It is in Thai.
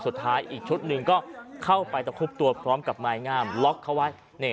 สุดท้ายอีกชุดหนึ่งก็เข้าไปตะคุบตัวพร้อมกับไม้งามล็อกเขาไว้